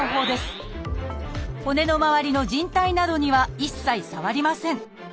骨のまわりのじん帯などには一切触りません。